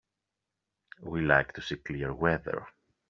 We like to see clear weather.